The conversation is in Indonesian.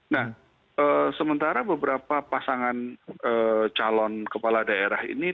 nah sementara beberapa pasangan calon kepala daerah ini